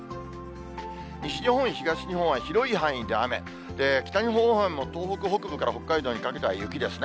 西日本、東日本は広い範囲で雨、北日本方面も東北北部から北海道にかけては雪ですね。